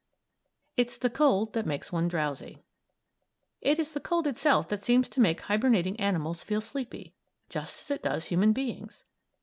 IT'S THE COLD THAT MAKES ONE DROWSY It is the cold itself that seems to make hibernating animals feel sleepy; just as it does human beings.